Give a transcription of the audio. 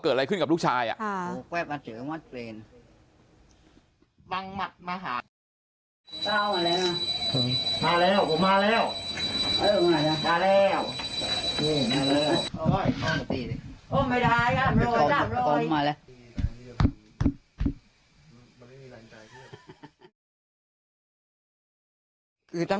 เกิดอะไรขึ้นกับลูกชายอะ